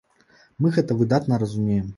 Мы гэта выдатна разумеем.